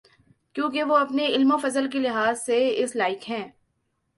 کیونکہ وہ اپنے علم و فضل کے لحاظ سے اس لائق ہیں۔